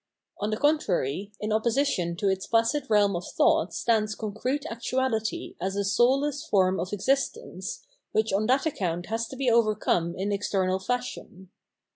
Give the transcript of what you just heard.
On the contrary, in opposition to its placid realm of thought stands concrete actuality as a souUess form of existence, which on that account has to be overcome in external fashion.